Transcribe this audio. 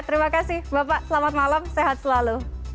terima kasih bapak selamat malam sehat selalu